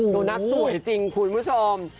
ดูนะสวยจริงคุณผู้ชม